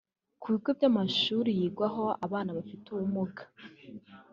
Ku bigo by’amashuri yigwaho abana bafite ubumuga